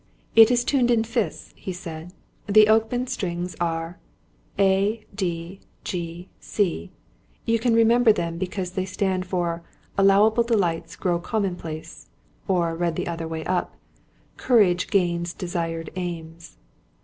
"It is tuned in fifths," he said. "The open strings are A, D, G, C. You can remember them, because they stand for 'Allowable Delights Grow Commonplace'; or, read the other way up: 'Courage Gains Desired Aims.'"